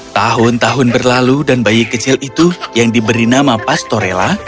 tahun tahun berlalu dan bayi kecil itu yang diberi nama pastorella